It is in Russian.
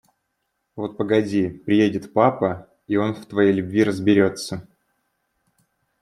Вот погоди, приедет папа, и он в твоей любви разберется.